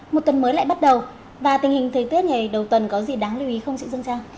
một tuần mới lại bắt đầu và tình hình thời tiết ngày đầu tuần có gì đáng lưu ý không chị dương trang